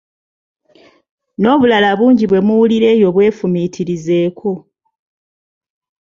N'obulala bungi bwe muwulira eyo bw'efumiitirizeeko.